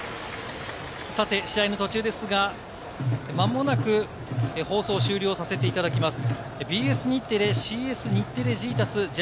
試合の途中ですが、まもなく放送を終了させていただきます。